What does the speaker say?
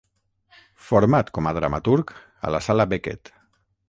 Format com a dramaturg a la Sala Beckett.